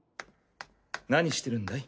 何してるんだい？